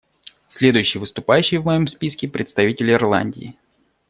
Следующий выступающий в моем списке — представитель Ирландии.